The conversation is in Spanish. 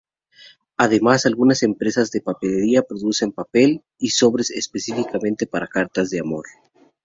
Algunas empresas de papelería producen Papel y Sobres específicamente para cartas de amor.